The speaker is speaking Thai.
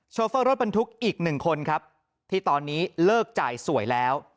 โฟรถบรรทุกอีกหนึ่งคนครับที่ตอนนี้เลิกจ่ายสวยแล้ว